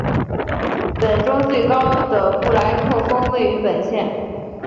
本州最高的布莱克峰位于本县。